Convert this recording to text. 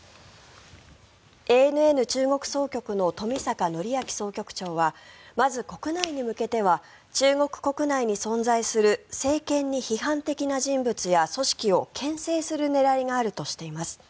ＡＮＮ中国総局の冨坂範明総局長はまず国内に向けては中国国内に存在する政権に批判的な人物や組織をけん制する狙いがあるとしています。